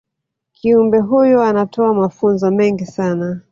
kiumbe huyo anatoa mafunzo mengi sana